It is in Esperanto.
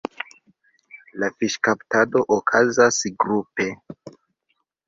La fiŝkaptado okazas grupe.